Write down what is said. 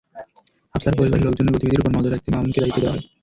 হাফসার পরিবারের লোকজনের গতিবিধির ওপর নজর রাখতে মামুনকে দায়িত্ব দেওয়া হয়।